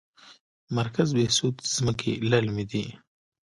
مرکز بهسود ځمکې للمي دي؟